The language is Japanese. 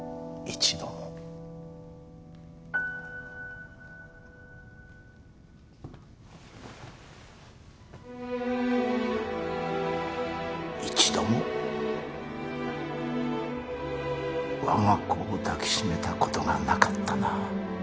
一度も我が子を抱き締めた事がなかったな。